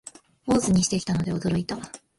坊主にしてきたので驚いた